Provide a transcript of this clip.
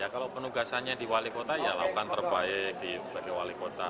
ya kalau penugasannya di wali kota ya lakukan terbaik di wali kota